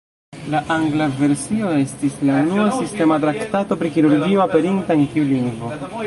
La angla versio estis la unua sistema traktato pri kirurgio aperinta en tiu lingvo.